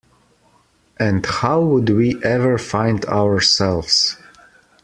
And how would we ever find ourselves.